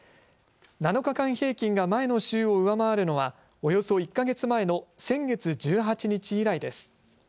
７日間平均が前の週を上回るのはおよそ１か月前の先月１８日以来です。